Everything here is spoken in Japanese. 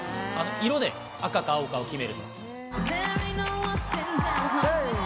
色で赤か、青かを決める。